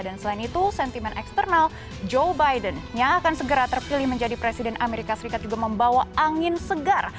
dan selain itu sentimen eksternal joe biden yang akan segera terpilih menjadi presiden as juga membawa angin segar